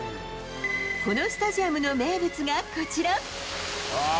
このスタジアムの名物がこちら。